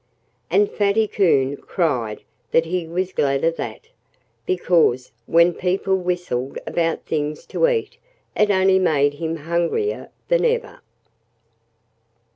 And Fatty Coon cried that he was glad of that, because when people whistled about things to eat it only made him hungrier than ever.